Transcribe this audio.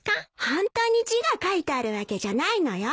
ホントに字が書いてあるわけじゃないのよ。